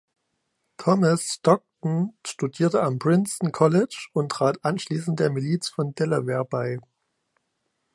Thomas Stockton studierte am Princeton College und trat anschließend der Miliz von Delaware bei.